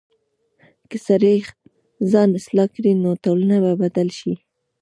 که سړی ځان اصلاح کړي، نو ټولنه به بدله شي.